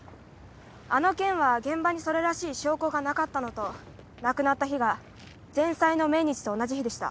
あの件は現場にそれらしい証拠がなかったのと亡くなった日が前妻の命日と同じ日でした。